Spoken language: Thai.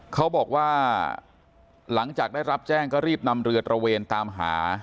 เขาบอกว่าหลังจากได้รับแจ้งก็รีบนำเรือตระเวนตามหา